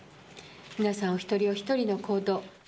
皆さん、お一人お一人の行動。